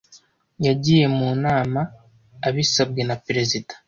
Yagiye mu nama abisabwe na perezida.